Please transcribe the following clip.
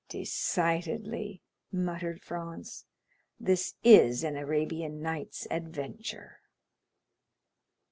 "Decidedly," muttered Franz, "this is an Arabian Nights' adventure."